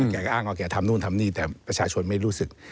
แกก็อ้างว่าแกทำนู่นทำนี่แต่ประชาชนไม่รู้สึก